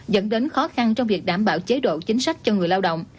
dẫn đến khó khăn trong việc đảm bảo chế độ chính sách cho người lao động